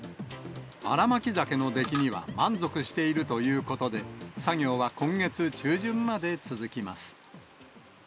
新巻鮭の出来には満足しているということで、作業は今月中旬まで続きます。